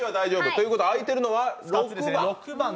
ということは空いてるのは６番？